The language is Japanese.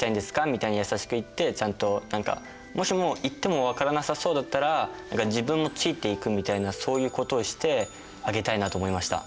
みたいに優しく言ってちゃんと何かもしも言っても分からなさそうだったら自分もついていくみたいなそういうことをしてあげたいなと思いました。